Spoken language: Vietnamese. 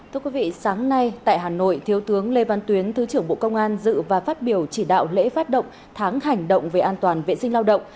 thưa quý vị sáng nay tại hà nội thiếu tướng lê văn tuyến thứ trưởng bộ công an dự và phát biểu chỉ đạo lễ phát động tháng hành động về an toàn vệ sinh lao động